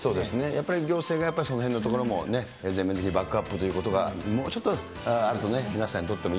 やっぱり行政が、やっぱりそのへんのところもね、全面的にバックアップというところが、もうちょっとあるとね、皆さんにとっても